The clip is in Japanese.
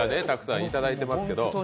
たくさんいただいてますけど。